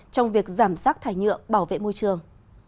trong việc giảm rác thải nhựa bảo vệ môi trường